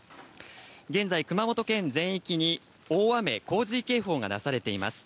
現在、熊本県全域に大雨洪水警報が出されています。